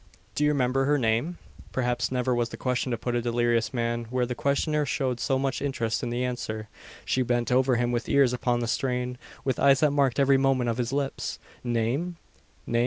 "Do you remember her name?" Perhaps never was question put to a delirious man, where the questioner showed so much interest in the answer. She bent over him with ears upon the strain with eyes that marked every movement of his lips. "Name? name?